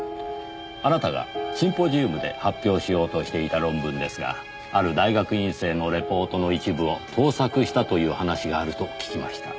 あなたがシンポジウムで発表しようとしていた論文ですがある大学院生のレポートの一部を盗作したという話があると聞きました。